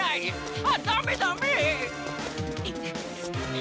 あっダメダメ！